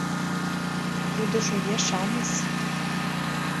Тудыжо ешаныс.